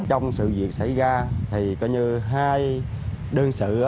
trong sự việc xảy ra thì coi như hai đương sự